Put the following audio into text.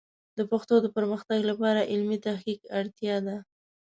د پښتو د پرمختګ لپاره د علمي تحقیق اړتیا ده.